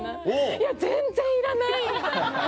「いや全然いらない」みたいな。